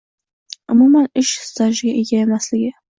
umuman ish stajiga ega emasligi